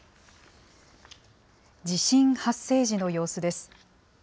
地震発生時の様子です。